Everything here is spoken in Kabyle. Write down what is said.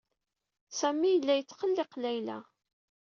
Sami yella yettqelliq Layla.